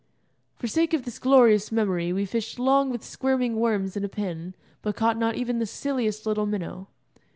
For sake of this glorious memory we fished long with squirming worms and a pin, but caught not even the silliest little minnow.